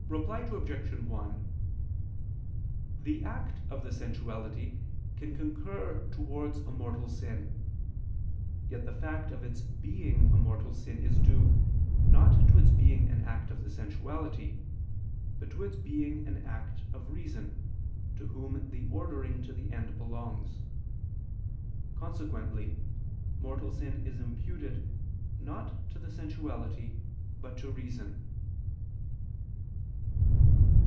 Reply Obj. 1: The act of the sensuality can concur towards a mortal sin: yet the fact of its being a mortal sin is due, not to its being an act of the sensuality, but to its being an act of reason, to whom the ordering to the end belongs. Consequently mortal sin is imputed, not to the sensuality, but to reason.